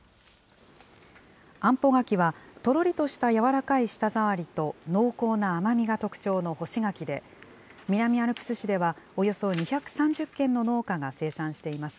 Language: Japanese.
あんぽ柿は、とろりとした柔らかい舌触りと濃厚な甘みが特徴の干し柿で、南アルプス市ではおよそ２３０軒の農家が生産しています。